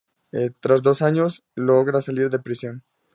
Tras dos años, logra salir de prisión.